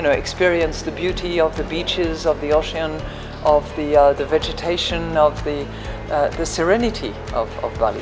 mereka akan mengalami keindahan pantai laut tanah dan serenitya bali